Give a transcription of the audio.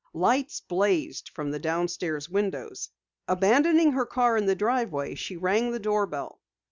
Lights blazed from the downstairs windows. Abandoning her car in the driveway, she rang the doorbell.